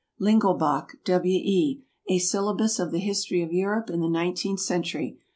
LINGELBACH, W. E. "A Syllabus of the History of Europe in the Nineteenth Century."